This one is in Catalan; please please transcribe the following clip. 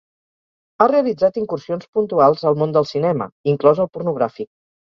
Ha realitzat incursions puntuals al món del cinema, inclòs el pornogràfic.